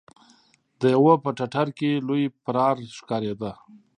د يوه په ټټر کې لوی پرار ښکارېده.